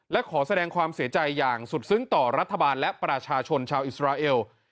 และขอแสดงความเสียใจอย่างสุดซึ้งต่อรัฐบาลและประชาชนชาวอิสราเอล